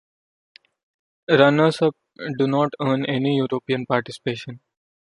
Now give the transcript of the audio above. Runners-up do not earn any European participation.